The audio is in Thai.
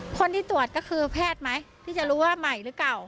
คนที่ตรวจก็คือแพทย์ไหมที่จะรู้ว่าใหม่หรือเปล่า